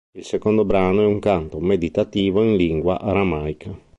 Il secondo brano è un canto meditativo in lingua aramaica.